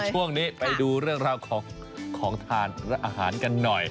ช่วงนี้ไปดูเรื่องราวของทานอาหารกันหน่อย